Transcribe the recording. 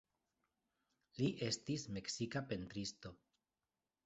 Li estis meksika pentristo.